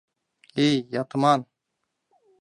— Эй, Ятман!